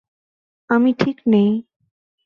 আমি ঠিক নেই।